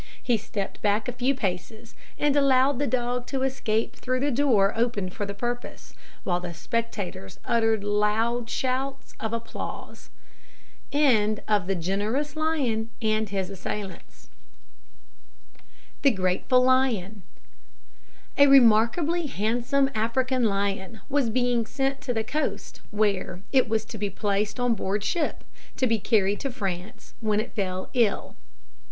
He stepped back a few paces, and allowed the dog to escape through the door opened for the purpose, while the spectators uttered loud shouts of applause. THE GRATEFUL LION. A remarkably handsome African lion was being sent to the coast, where it was to be placed on board ship, to be carried to France, when it fell ill.